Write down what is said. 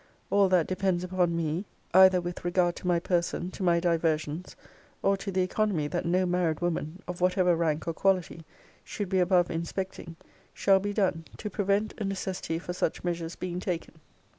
All that depends upon me, either with regard to my person, to my diversions, or to the economy that no married woman, of whatever rank or quality, should be above inspecting, shall be done, to prevent a necessity for such measures being taken.